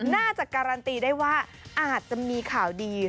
น่าจะการันตีได้ว่าอาจจะมีข่าวดี